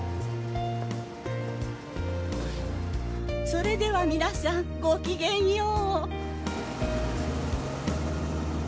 それでは皆さんごきげんよう。